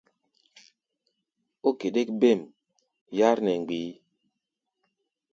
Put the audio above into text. Ó geɗɛ́k óbêm yár nɛ mgbií.